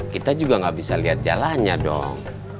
kita juga gak bisa lihat jalannya dong